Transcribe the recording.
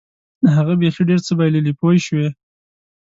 هغه بیخي ډېر څه بایلي پوه شوې!.